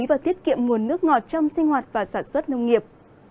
và tiết kiệm nguồn nước ngọt trong sinh hoạt và sản xuất nông nghiệp